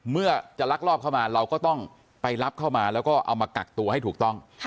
เมื่อจะลักลอบเข้ามาเราก็ต้องไปรับเข้ามาแล้วก็เอามากักตัวให้ถูกต้อง